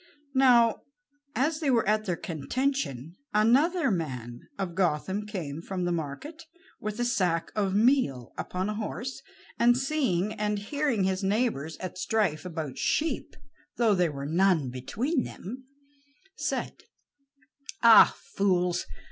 Now, as they were at their contention, another man of Gotham came from the market with a sack of meal upon a horse, and seeing and hearing his neighbors at strife about sheep, though there were none between them, said: "Ah, fools!